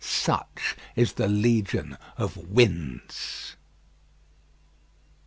Such is the legion of winds.